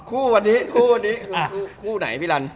คู่วันนี้คู่หน่อยพี่รัน